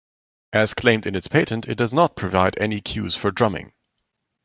As claimed in its patent, it does not provide any cues for drumming.